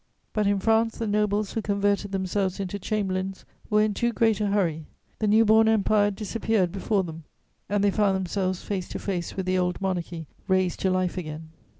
But in France the nobles who converted themselves into chamberlains were in too great a hurry; the new born Empire disappeared before them, and they found themselves face to face with the old Monarchy raised to life again.